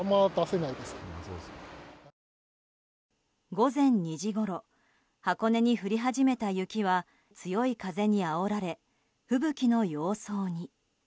午前２時ごろ箱根に降り始めた雪は強い風にあおられ吹雪の様相に。